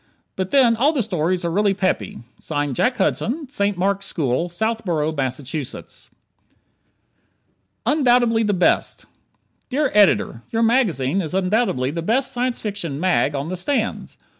But then all the stories are really peppy. Jack Hudson, St. Mark's School, Southborough, Massachusetts. "Undoubtedly the Best" Dear Editor: Your magazine is undoubtedly the best Science Fiction "mag" on the stands.